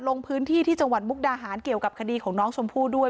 ลงพื้นที่ที่จังหวัดมุกดาหารเกี่ยวกับคดีของน้องชมพู่ด้วย